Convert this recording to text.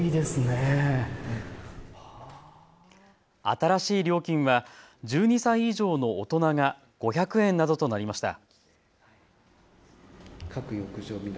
新しい料金は１２歳以上の大人が５００円などとなりました。